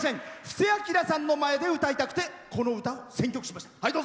布施明さんの前で歌いたくてこの歌を選曲しました。